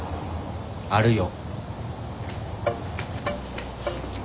あるよ。